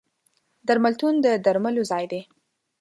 درملتون د درملو ځای دی.